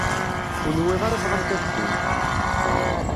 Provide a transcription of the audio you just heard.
Ur nwiɣ ara bɣant ad ddunt.